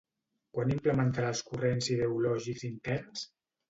Quan implementarà els corrents ideològics interns?